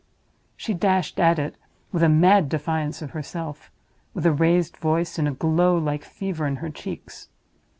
She dashed at it, with a mad defiance of herself—with a raised voice, and a glow like fever in her cheeks.